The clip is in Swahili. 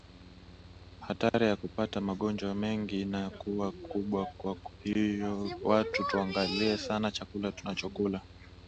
hatari ya kupata magonjwa mengi inakuwa kubwa kwa hiyo watu tuangalie sana chakula tunachokula